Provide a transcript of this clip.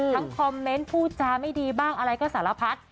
คอมเมนต์พูดจาไม่ดีบ้างอะไรก็สารพัด